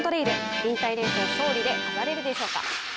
引退レースを勝利で飾れるでしょうか。